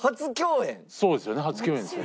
そうですよね初共演ですよね。